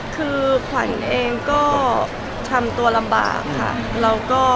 คือขวัญเองก็ทำตัวลำบากค่ะ